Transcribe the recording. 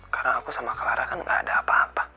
karena aku sama clara kan gak ada apa apa